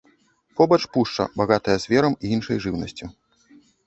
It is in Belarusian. Побач пушча багатая зверам і іншай жыўнасцю.